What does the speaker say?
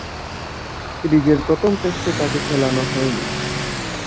সিরিজের প্রথম টেস্টে তাকে খেলানো হয়নি।